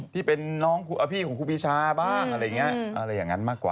ที่เป็นน้องพี่ของครูปีชาบ้างอะไรอย่างนั้นมากกว่า